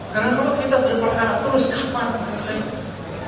karena kalau kita berpengaruh terus kapan berusia